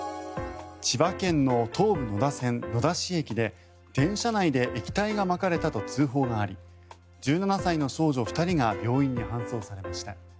千葉県の東武野田線野田市駅で電車内で液体がまかれたと通報があり１７歳の少女２人が病院に搬送されました。